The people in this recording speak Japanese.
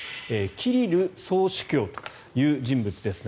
キリル総主教という人物です。